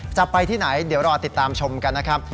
จะไปที่ไหนเดี๋ยวรอติดตามชมกันนะครับ